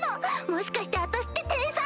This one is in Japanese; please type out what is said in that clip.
もしかして私って天才？